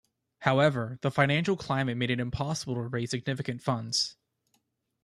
However, the financial climate made it impossible to raise significant funds.